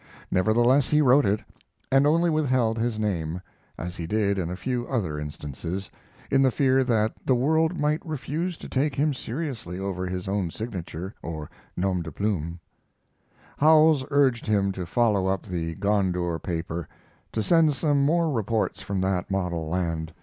Nevertheless he wrote it, and only withheld his name, as he did in a few other instances, in the fear that the world might refuse to take him seriously over his own signature or nom de plume. Howells urged him to follow up the "Gondour" paper; to send some more reports from that model land.